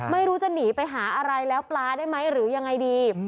ไม่รู้จะหนีไปหาอะไรแล้วปลาได้ไหมหรือยังไงดี